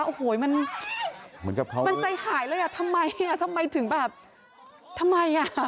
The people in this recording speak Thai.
โอ้โหมันใจหายเลยทำไมถึงแบบทำไมอ่ะ